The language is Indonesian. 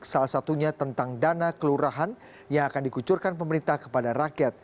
salah satunya tentang dana kelurahan yang akan dikucurkan pemerintah kepada rakyat